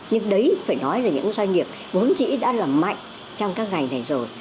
nhưng đấy phải nói là những doanh nghiệp vốn chỉ đã làm mạnh trong các ngành này rồi